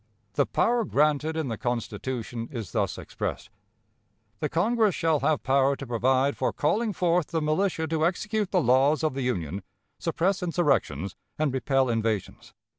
The power granted in the Constitution is thus expressed: "The Congress shall have power to provide for calling forth the militia to execute the laws of the Union, suppress insurrections, and repel invasions."